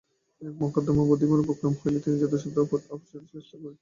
এবং মকদ্দমা বাধিবার উপক্রম হইলে তিনি যথাসাধ্য আপসের চেষ্টা করিতেন।